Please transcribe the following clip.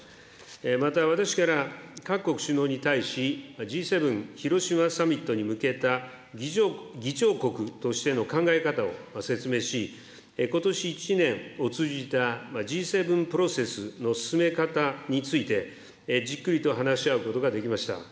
また私から各国首脳に対し、Ｇ７広島サミットに向けた議長国としての考え方を説明し、ことし１年を通じたＧ７プロセスの進め方について、じっくりと話し合うことができました。